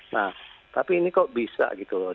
nah tapi ini kok bisa gitu loh